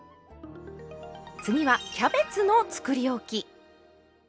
次はキャベツのつくりおき。